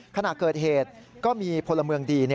ขณะเกิดเหตุก็มีพลเมืองดี